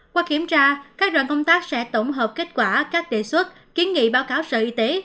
qua kiểm tra các đoàn công tác sẽ tổng hợp kết quả các đề xuất kiến nghị báo cáo sở y tế